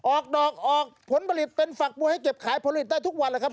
ออกดอกออกผลผลิตเป็นฝักบัวให้เก็บขายผลิตได้ทุกวันแล้วครับ